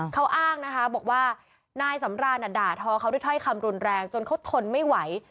เขาอ้างนะคะบอกว่านายสำรานด่าทอเขาด้วยถ้อยคำรุนแรงจนเขาทนไม่ไหว